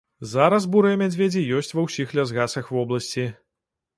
Зараз бурыя мядзведзі ёсць ва ўсіх лясгасах вобласці.